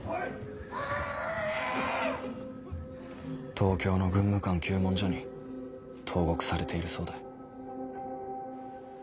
東京の軍務官糾問所に投獄されているそうだ。